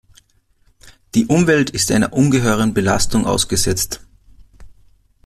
Die Umwelt ist einer ungeheuren Belastung ausgesetzt.